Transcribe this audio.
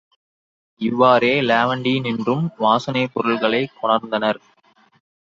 இவ்வாறே லெவண்டினின்றும் வாசனைப் பொருள்களைக் கொணர்ந்தனர்.